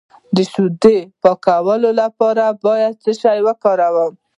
د شیدو د پاکوالي لپاره باید څه شی وکاروم؟